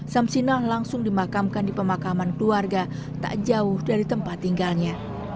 samsinah langsung dimakamkan di pemakaman keluarga tak jauh dari tempat tinggalnya